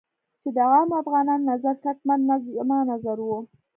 چې د عامو افغانانو نظر کټ مټ زما نظر و.